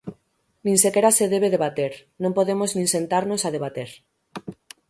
Nin sequera se debe debater, non podemos nin sentarnos a debater.